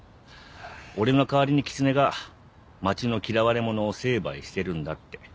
俺の代わりに狐が町の嫌われ者を成敗してるんだって。